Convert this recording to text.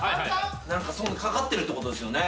何か掛かってるってことですよね。